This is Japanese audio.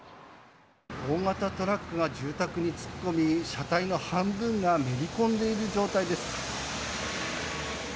大型トラックが住宅に突っ込み車体の半分がめり込んでいる状態です。